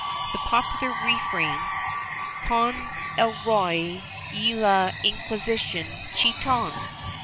The popular re/ran, Con el Rey y la Inqui sicion, chiton!